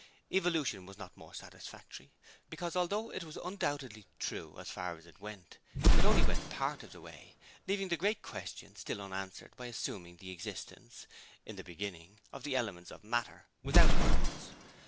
Evolution was not more satisfactory, because although it was undoubtedly true as far as it went, it only went part of the way, leaving the great question still unanswered by assuming the existence in the beginning of the elements of matter, without a cause!